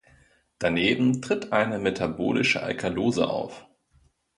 Daneben tritt eine metabolische Alkalose auf.